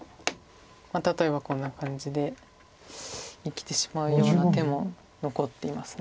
例えばこんな感じで生きてしまうような手も残っています。